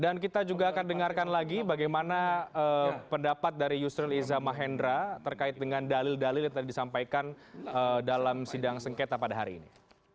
dan kita juga akan dengarkan lagi bagaimana pendapat dari yusril izzah mahendra terkait dengan dalil dalil yang tadi disampaikan dalam sidang sengketa pada hari ini